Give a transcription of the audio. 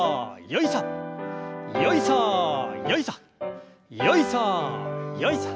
よいさよいさ。